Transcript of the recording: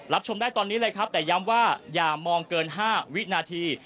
ชมได้ตอนนี้เลยครับแต่ย้ำว่าอย่ามองเกิน๕วินาที